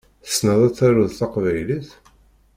Tessneḍ ad taruḍ taqbaylit?